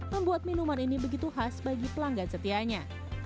membuat minuman ini begitu khas bagi pelanggan setianya